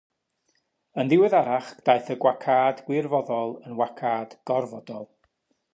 Yn ddiweddarach daeth y gwacâd gwirfoddol yn wacâd gorfodol.